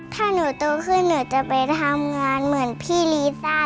ถ้าหนูโตขึ้นหนูจะไปทำงานเหมือนพี่ลีซ่า